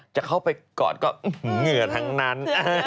จะเข้าไปกอดก็เหงื่อทั้งนั้น